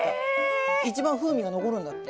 一番風味が残るんだって。